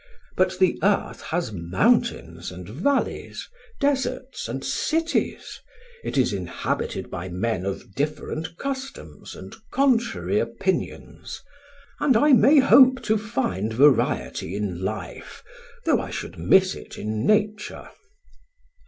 But the earth has mountains and valleys, deserts and cities; it is inhabited by men of different customs and contrary opinions; and I may hope to find variety in life, though I should miss it in nature.